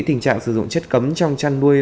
tình trạng sử dụng chất cấm trong chăn nuôi